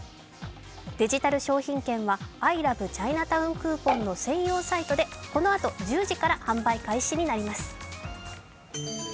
デジタル商品券はアイラブチャイナタウンクーポンの専用サイトでこのあと１０時から販売開始になります。